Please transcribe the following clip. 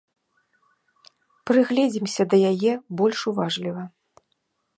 Прыгледзімся да яе больш уважліва.